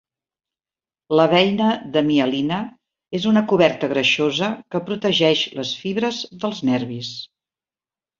La beina de mielina és una coberta greixosa que protegeix les fibres dels nervis.